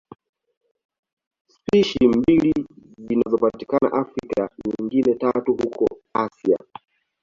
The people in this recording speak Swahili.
Spishi mbili zinapatikana Afrika na nyingine tatu huko Asia.